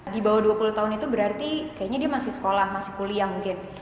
di bawah dua puluh tahun itu berarti kayaknya dia masih sekolah masih kuliah mungkin